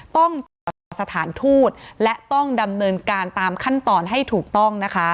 ต้องตรวจสอบสถานทูตและต้องดำเนินการตามขั้นตอนให้ถูกต้องนะคะ